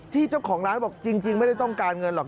เจ้าของร้านบอกจริงไม่ได้ต้องการเงินหรอก